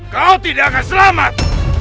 kau tidak akan selamat